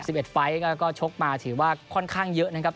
สิบเอ็ดไฟล์ก็ชกมาถือว่าค่อนข้างเยอะนะครับ